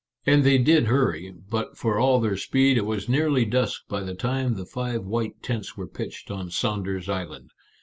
And they did hurry, but for all their speed it was nearly dusk by the time the five white tents were pitched on Saunder's Island.